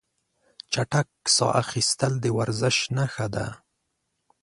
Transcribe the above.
چټک ساه اخیستل د ورزش نښه ده.